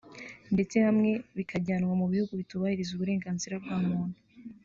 ndetse hamwe bikajyanwa mu bihugu bitubahiriza uburenganzira bwa muntu